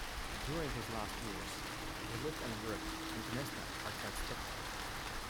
During his last years, he lived and worked in Gnesta outside Stockholm.